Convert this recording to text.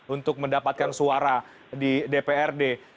untuk mendapatkan suara di dprd